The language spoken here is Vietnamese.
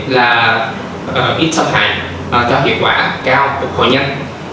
là ít xâm hại cho hiệu quả cao của hội nhân